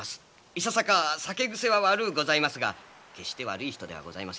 いささか酒癖は悪うございますが決して悪い人ではございません。